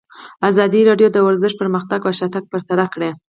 ازادي راډیو د ورزش پرمختګ او شاتګ پرتله کړی.